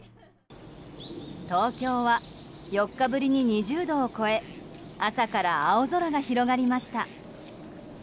東京は、４日ぶりに２０度を超え朝から青空が広がりました。